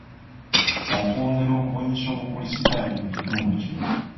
Okwongera okubunyisa obukulisitaayo mu kitundu kino.